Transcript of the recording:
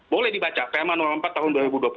boleh dibaca perma empat tahun dua ribu dua puluh